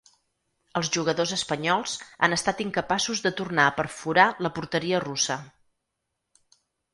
Els jugadors espanyols han estat incapaços de tornar a perforar la porteria russa.